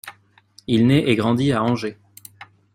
Il naît et grandit à Angers.